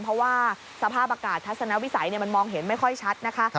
เพราะว่าสภาพอากาศทัศนวิสัยมันมองเห็นไม่ค่อยชัดนะคะ